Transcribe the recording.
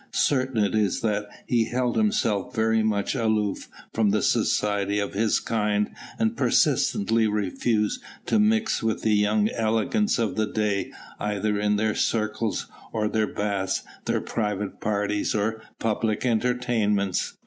Certain it is that he held himself very much aloof from the society of his kind and persistently refused to mix with the young elegants of the day either in their circles or their baths, their private parties or public entertainments.